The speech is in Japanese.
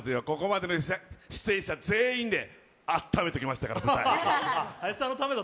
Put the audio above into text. ここまで出演者全員であっためてきましたから、舞台。